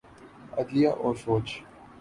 عدلیہ اورفوج۔